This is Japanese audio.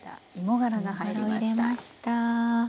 芋がらを入れました。